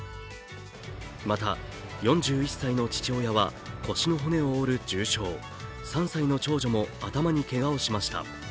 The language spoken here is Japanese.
また、４１歳の父親は腰の骨を折る重傷、３歳の長女も頭にけがをしました。